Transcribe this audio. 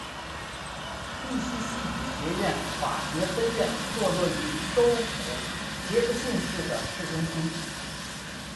密西西比学院法学分院坐落于州府杰克逊市的市中心。